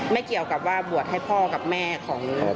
ไม่เกี่ยวกับว่าบวชให้พ่อกับแม่ของ